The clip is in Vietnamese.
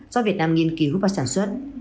do việt nam nghiên cứu và sản xuất